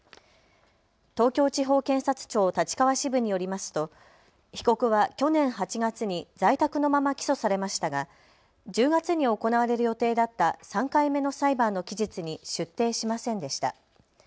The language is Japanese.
東京地方検察庁立川支部によりますと被告は去年８月に在宅のまま起訴されましたが１０月に行われる予定だった３回目の裁判の期日に出廷しませんでした。